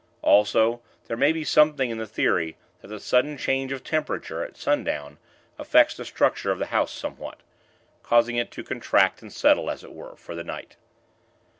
Also, there may be something in the theory that the sudden change of temperature, at sundown, affects the structure of the house, somewhat causing it to contract and settle, as it were, for the night.